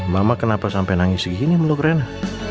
mama kenapa sampai nangis segini meluk rena